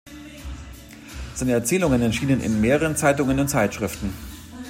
Seine Erzählungen erschienen in mehreren Zeitungen und Zeitschriften.